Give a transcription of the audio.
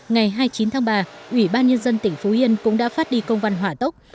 ngày hai mươi chín tháng ba ủy ban nhân dân tỉnh phú yên cũng đã phát đi công văn hỏa tốc